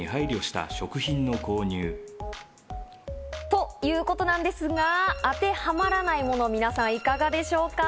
ということなんですが、当てはまらないもの、皆さんいかがでしょうか？